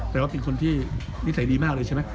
แต่ว่าเป็นคนที่นิสัยดีมากเลยใช่ไหม